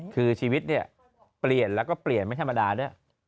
คือชีวิตเนี่ยเปลี่ยนแล้วก็เปลี่ยนไม่ธรรมดาด้วย